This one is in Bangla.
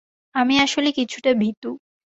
আমি আসলে কিছুটা ভীতু।